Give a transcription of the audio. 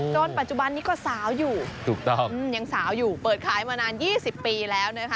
ต้นปัจจุบันนี้ยังสาวอยู่เปิดขายมานาน๒๐ปีแล้ว